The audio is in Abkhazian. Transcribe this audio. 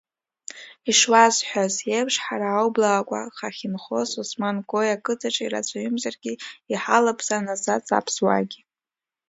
Ишуасҳәаз еиԥш, ҳара аублаақуа хахьынхоз Осман-Кои ақыҭаҿы ирацәаҩымзаргьы иҳалаԥсан асаӡ-аԥсуаагьы.